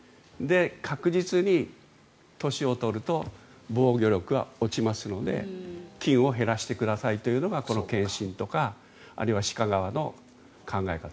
確実に年を取ると防御力は落ちますので菌を減らしてくださいというのがこの検診とかあるいは歯科側の考え方。